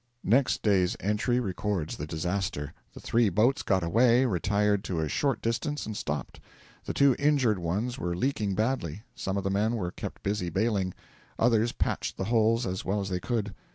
Next day's entry records the disaster. The three boats got away, retired to a short distance, and stopped. The two injured ones were leaking badly; some of the men were kept busy baling, others patched the holes as well as they could.